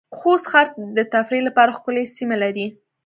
خوست ښار د تفریح لپاره ښکلې سېمې لرې